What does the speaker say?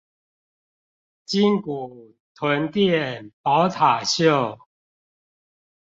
鯨骨、臀墊、寶塔袖